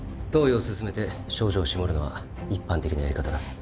投与を進めて症状を絞るのは一般的なやり方だ。